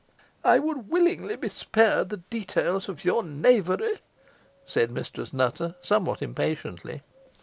"I would willingly be spared the details of your knavery," said Mistress Nutter, somewhat impatiently.